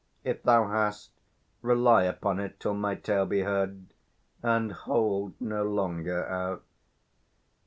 If thou hast, Rely upon it till my tale be heard, And hold no longer out.